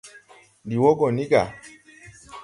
Ndi wɔ gɔ ni ga.